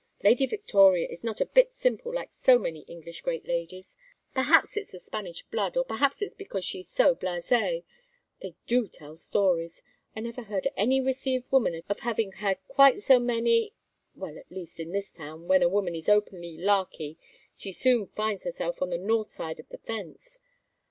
Lady Victoria is not a bit simple like so many English great ladies. Perhaps it's the Spanish blood, or perhaps it's because she's so blasée. They do tell stories! I never heard any received woman accused of having had quite so many well, at least in this town, when a woman is openly larky she soon finds herself on the north side of the fence.